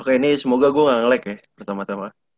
oke ini semoga gua ga nge lag ya pertama tama